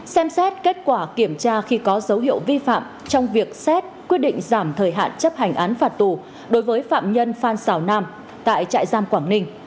xem xét kết quả kiểm tra khi có dấu hiệu vi phạm trong việc xét quyết định giảm thời hạn chấp hành án phạt tù đối với phạm nhân phan xào nam tại trại giam quảng ninh